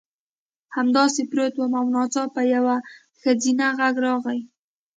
همداسې پروت وم او ناڅاپه یو ښځینه غږ راغی